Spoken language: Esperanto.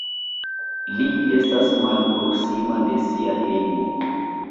Li estas malproksima de sia hejmo.